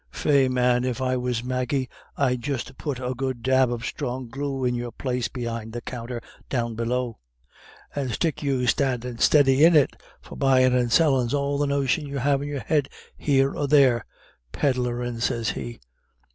Faix, man, if I was Maggie I'd just put a good dab of strong glue in your place behind the counter down below, and stick you standing steady in it, for buyin' and sellin's all the notion you have in your head here or there. Pedlarin', sez he."